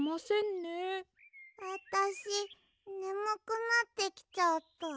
あたしねむくなってきちゃった。